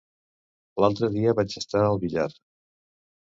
L'altre dia vaig estar al Villar.